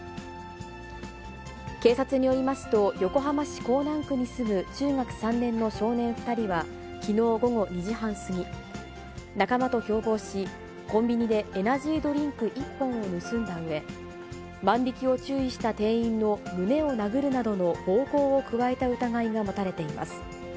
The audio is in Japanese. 警察によりますと、横浜市港南区に住む中学３年の少年２人は、きのう午後２時半過ぎ、仲間と共謀し、コンビニでエナジードリンク１本を盗んだうえ、万引きを注意した店員の胸を殴るなどの暴行を加えた疑いが持たれています。